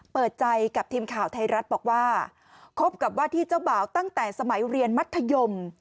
เปิดใจกับทีมข่าวไทยรัฐบอกว่าคบกับว่าที่เจ้าบ่าวตั้งแต่สมัยเรียนมัธยม